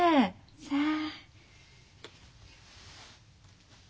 さあ？